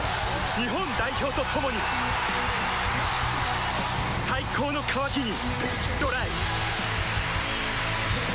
日本代表と共に最高の渇きにＤＲＹ